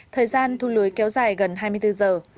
thời gian thu lưới kéo dài gần hai mươi bốn giờ